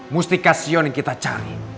mustika sion yang kita cari